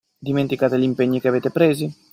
Dimenticate gli impegni che avete presi?